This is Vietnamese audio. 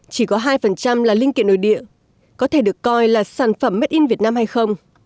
chỉ có hai là linh kiện nội địa có thể được coi là sản phẩm made in vietnam hay không